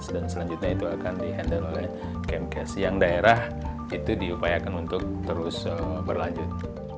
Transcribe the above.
dan selanjutnya itu akan dihandle oleh kmk yang daerah itu diupayakan untuk terus berlanjut